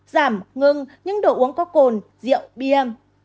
giảm ngưng những đồ uống có cồn rượu bia